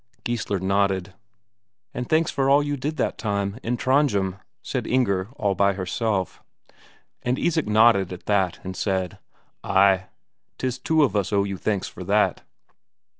Geissler nodded. "And thanks for all you did that time in Trondhjem," said Inger all by herself. And Isak nodded at that, and said: "Ay, 'tis two of us owe you thanks for that."